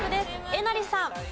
えなりさん。